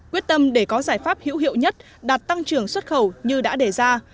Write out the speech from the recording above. quyết tâm để có giải pháp hữu hiệu nhất đạt tăng trưởng xuất khẩu như đã đề ra